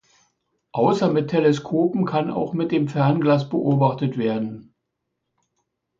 Außer mit Teleskopen kann auch mit dem Fernglas beobachtet werden.